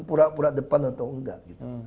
pura pura depan atau nggak